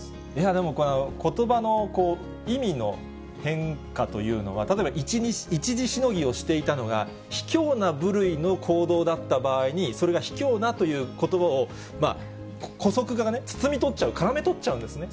でもこれ、ことばの意味の変化というのは、例えば一時しのぎをしていたのが、ひきょうな部類の行動だった場合に、それがひきょうなということばをこそくがね、包みとっちゃう、からめとっちゃうんですね。